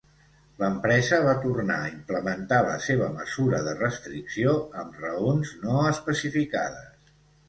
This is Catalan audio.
L'empresa va tornar a implementar la seva mesura de restricció amb raons no especificades.